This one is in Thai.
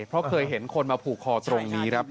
เพราะเคยเห็นคนมาผูกคอตรงนี้ครับ